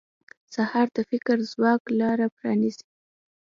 سهار د فکري ځواک لاره پرانیزي.